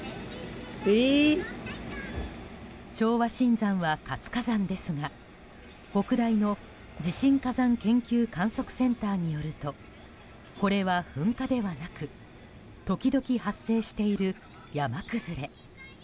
昭和新山は活火山ですが北大の地震火山研究観測センターによるとこれは噴火ではなく時々発生している山崩れ。